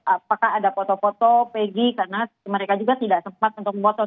apakah ada foto foto peggy karena mereka juga tidak sempat untuk foto